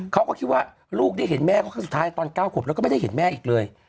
เขาก็คิดว่าลูกได้เห็นแม่เขาครั้งสุดท้ายตอน๙ขวบแล้วก็ไม่ได้เห็นแม่อีกเลย